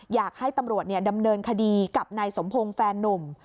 อยากให้ตำรวจดำเนินคดีกับนายสมพงศ์แฟนนุ่ม